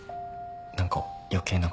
何か余計なこと。